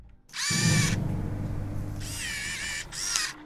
وہ انسانوں میں چھپی تجلی کو بھی دیکھ سکتی ہیں